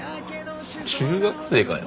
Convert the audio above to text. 中学生かよ。